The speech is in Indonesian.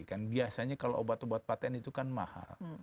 kan biasanya kalau obat obat patent itu kan mahal